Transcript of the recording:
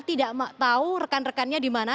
tidak tahu rekan rekannya di mana